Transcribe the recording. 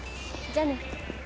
じゃあね。